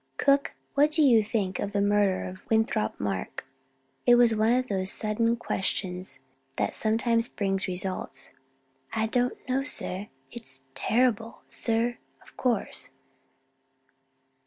"Cook, what do you think of the murder of Winthrop Mark?" It was one of those sudden questions that sometimes bring results. "I don't know, sir it is terrible, sir, of course."